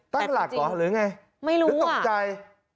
ตั้งหลักหรอหรือไงหรือตกใจ